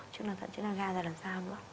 chức năng thận chức năng ga ra làm sao nữa